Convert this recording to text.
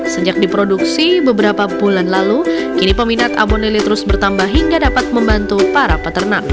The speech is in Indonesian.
sejak diproduksi beberapa bulan lalu kini peminat abon lele terus bertambah hingga dapat membantu para peternak